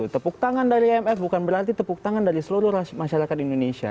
tepuk tangan dari imf bukan berarti tepuk tangan dari seluruh masyarakat indonesia